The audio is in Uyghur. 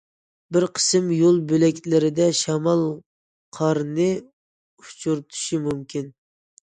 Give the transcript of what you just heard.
بىر قىسىم يول بۆلەكلىرىدە شامال قارنى ئۇچۇرتۇشى مۇمكىن.